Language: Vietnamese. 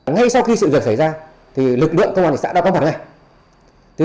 ngay sau khi sự diệt xảy ra thì lực lượng công an thị xã đã có mặt ngay